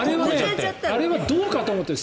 あれはどうかと思ったよ。